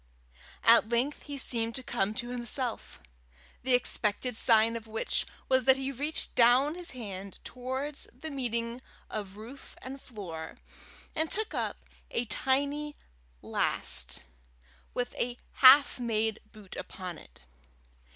At length he seemed to come to himself the expected sign of which was that he reached down his hand towards the meeting of roof and floor, and took up a tiny last with a half made boot upon it.